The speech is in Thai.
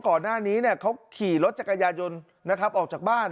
ก่อนหน้านี้เขาขี่รถจักรยายนต์นะครับออกจากบ้าน